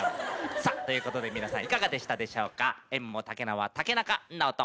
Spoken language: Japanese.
さあということで皆さんいかがでしたでしょうか？